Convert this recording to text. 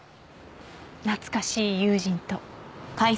懐かしい友人と。